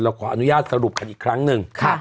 ขออนุญาตสรุปกันอีกครั้งหนึ่ง